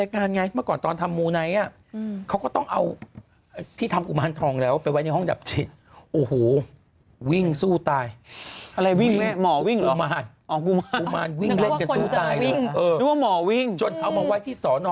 เขาพูดไปแล้วแต่เพราะนี่มันไม่ได้มีหลักฐาน